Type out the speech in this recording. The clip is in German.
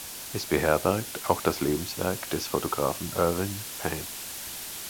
Es beherbergt auch das Lebenswerk des Fotografen Irving Penn.